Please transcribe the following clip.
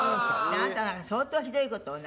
あなたらが相当ひどい事をね